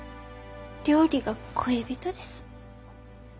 料理が恋人です。